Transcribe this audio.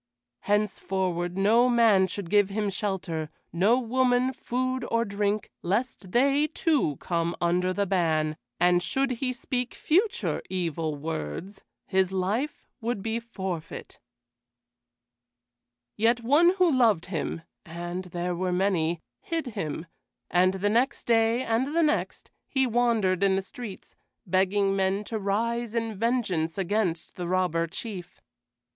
Henceforward no man should give him shelter, no woman food or drink, lest they too come under the ban; and should he speak future evil words, his life would be forfeit. Yet one who loved him and there were many hid him; and the next day and the next he wandered in the streets, begging men to rise in vengeance against the Robber Chief.